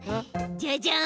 じゃじゃん！